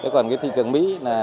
còn thị trường mỹ